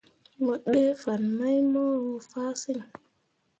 Mo ɗee fan mai mu roo fah siŋ.